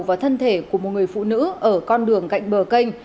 và thân thể của một người phụ nữ ở con đường cạnh bờ kênh